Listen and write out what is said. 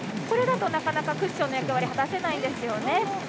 これだと、なかなかクッションの役割果たせないんですよね。